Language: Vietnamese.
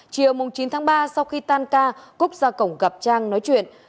chiều chín tháng ba sau khi tan ca cúc ra cổng gặp trang nói chuyện